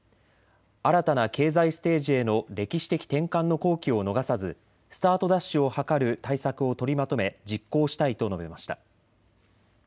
新たな経済ステージへの歴史的転換の好機を逃さずスタートダッシュを図る対策を取りまとめ実行したいと述べました。